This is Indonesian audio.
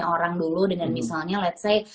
orang dulu dengan misalnya let's say